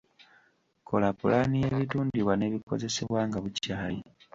Kola pulaani y’ebitundibwa n’ebikozesebwa nga bukyali.